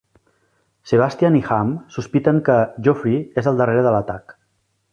Sebastian i Ham sospiten que Geoffrey és al darrere de l'atac.